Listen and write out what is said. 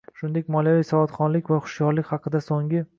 Shuningdek, moliyaviy savodxonlik va hushyorlik haqida So'nggi